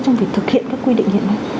trong việc thực hiện các quy định hiện nay